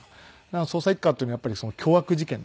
捜査一課っていうのはやっぱり凶悪事件ですね。